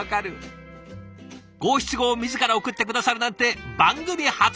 五七五を自ら送って下さるなんて番組初！